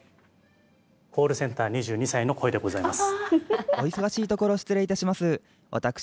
コールセンター２２歳の声でございます。